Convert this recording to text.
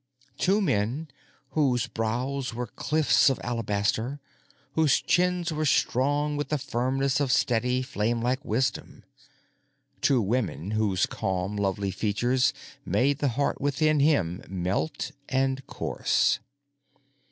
Two men whose brows were cliffs of alabaster, whose chins were strong with the firmness of steady, flamelike wisdom. Two women whose calm, lovely features made the heart within him melt and course.